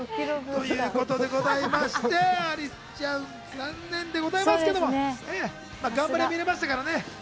ということでございましてアリスちゃん残念でございますけれども頑張りを見られましたからね。